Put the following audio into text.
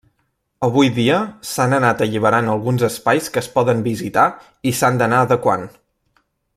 Avui dia, s'han anat alliberant alguns espais que es poden visitar i s'han d'anar adequant.